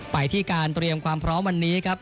ไปที่การเตรียมความพร้อมวันนี้ครับ